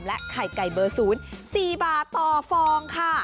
และไข่ไก่เบอร์ศูนย์๔บาทต่อฟองค่ะ